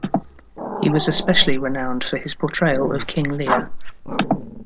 He was especially renowned for his portrayal of King Lear.